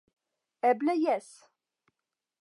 Eble jes!